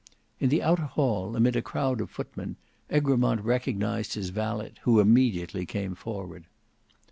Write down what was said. In the outer hall, amid a crowd of footmen, Egremont recognized his valet who immediately came forward.